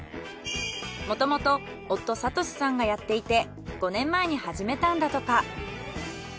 もともと夫智さんがやっていて５年前に始めたんだとか。